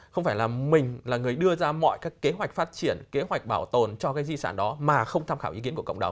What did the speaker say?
không phải là mình là người đưa ra mọi các kế hoạch phát triển kế hoạch bảo tồn cho cái di sản đó mà không tham khảo ý kiến của cộng đồng